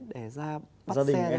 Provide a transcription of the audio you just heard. để ra bắt xe